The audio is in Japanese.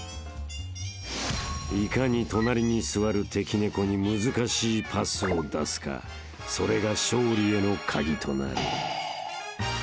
［いかに隣に座る敵猫に難しいパスを出すかそれが勝利への鍵となる］